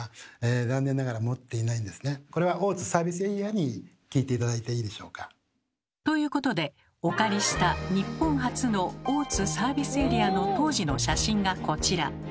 これは大津サービスエリアに聞いて頂いていいでしょうか？ということでお借りした日本初の大津サービスエリアの当時の写真がこちら。